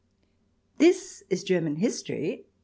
This is German history.